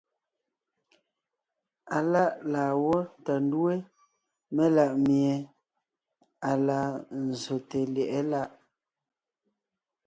Aláʼ laa gwó tà ńdúe melaʼmie à laa nzsòte lyɛ̌ʼɛ láʼ.